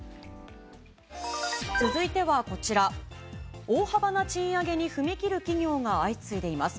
続いてはこちら、大幅な賃上げに踏み切る企業が相次いでいます。